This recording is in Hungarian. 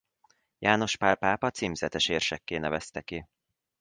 János Pál pápa címzetes érsekké nevezte ki.